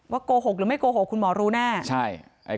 โกหกหรือไม่โกหกคุณหมอรู้แน่ใช่